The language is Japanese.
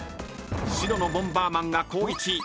［白のボンバーマンが光一。